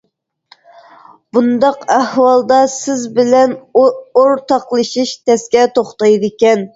مۇنداق ئەھۋالدا سىز بىلەن ئورتاقلىشىش تەسكە توختايدىكەن.